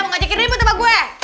mau ngajakin ribut sama gue